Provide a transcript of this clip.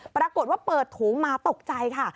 ปรากฏว่าเปิดถุงมาตกใจค่ะ